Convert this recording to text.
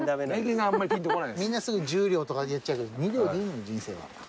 みんなすぐ１０両とかやっちゃうけど２両でいいの人生は。